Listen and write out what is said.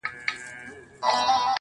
زما او ستا تر منځ صرف فرق دادى.